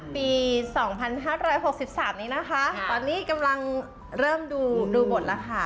ปี๒๕๖๓นี้นะคะตอนนี้กำลังเริ่มดูบทแล้วค่ะ